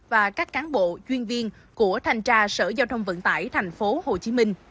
và các cán bộ chuyên viên của thành tra sở giao thông vận tải tp hcm